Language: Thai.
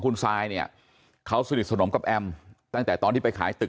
คุณซายเนี่ยเขาสนิทสนมกับแอมตั้งแต่ตอนที่ไปขายตึก